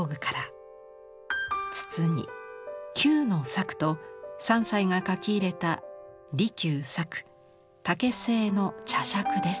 筒に「休ノ作」と三斎が書き入れた利休作竹製の茶杓です。